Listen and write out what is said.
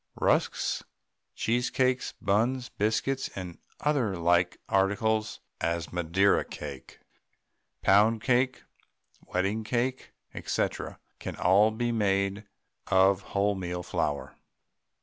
Rusks, cheesecakes, buns, biscuits, and other like articles as Madeira cake, pound cake, wedding cake, &c., can all be made of wholemeal flour.